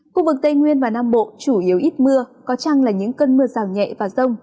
khu vực tây nguyên và nam bộ chủ yếu ít mưa có chăng là những cơn mưa rào nhẹ và rông